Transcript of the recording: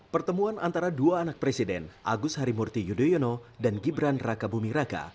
pertemuan antara dua anak presiden agus harimurti yudhoyono dan gibran raka buming raka